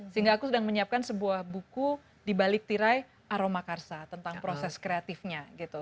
sehingga aku sedang menyiapkan sebuah buku dibalik tirai aroma karsa tentang proses kreatifnya gitu